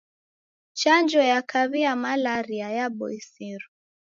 Chanjo ya kaw'i ya malaria yaboisiro.